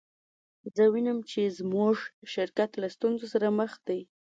زه وینم چې زموږ شرکت له ستونزو سره مخ دی